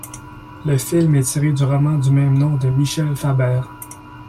Le film est tiré du roman du même nom de Michel Faber.